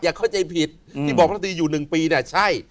อย่าเข้าใจผิดที่บอกพฤษฎีอยู่๑ปีใช่